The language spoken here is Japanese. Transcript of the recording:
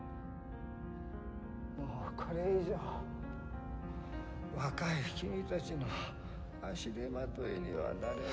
もうこれ以上若い君たちの足手まといにはなれない。